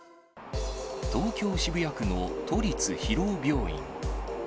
東京・渋谷区の都立広尾病院。